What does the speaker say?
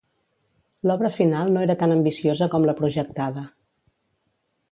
L'obra final no era tan ambiciosa com la projectada.